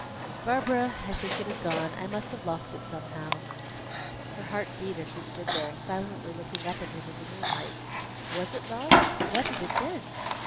"Barbara, I think it is gone. I must have lost it somehow." Her heart beat as she stood there, silently looking up at him in the moonlight. Was it lost? What had it been?